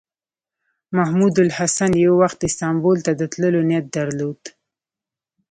محمود الحسن یو وخت استانبول ته د تللو نیت درلود.